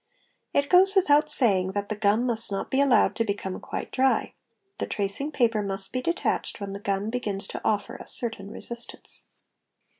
It goes without saying that the gum must not be allowed to become quite dry; the tracing paper must be detached when the gum begins to offer a certain resistance.